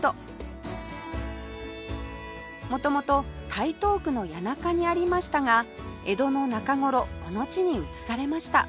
元々台東区の谷中にありましたが江戸の中頃この地に移されました